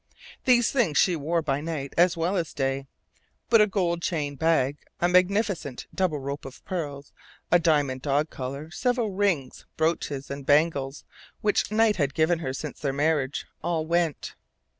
These things she wore by night as well as day; but a gold chain bag, a magnificent double rope of pearls, a diamond dog collar, several rings, brooches, and bangles which Knight had given her since their marriage, all went.